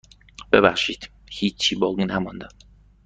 ببخشید هیچی باقی نمانده.